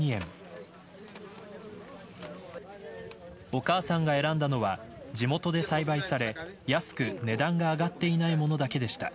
お母さんが選んだのは地元で栽培され、安く値段が上がっていないものだけでした。